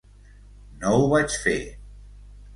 No ho vaig fer.